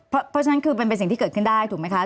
เพราะฉะนั้นคือมันเป็นสิ่งที่เกิดขึ้นได้ถูกไหมคะ